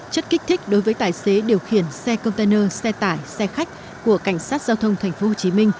chất kích thích đối với tài xế điều khiển xe container xe tải xe khách của cảnh sát giao thông tp hcm